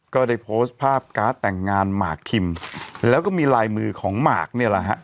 ก็ได้โพสต์ภาพการ์ดแต่งงานหมากคิมแล้วก็มีลายมือของหมากเนี่ยแหละฮะ